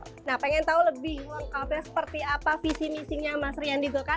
nah pengen tahu lebih lengkapnya seperti apa visi misinya mas rian di golkar